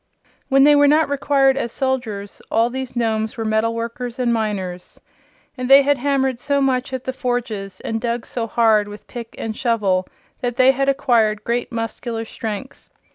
When they were not required as soldiers all these Nomes were metal workers and miners, and they had hammered so much at the forges and dug so hard with pick and shovel that they had acquired great muscular strength.